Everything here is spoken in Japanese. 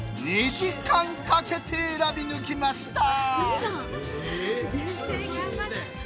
２時間かけて選び抜きました。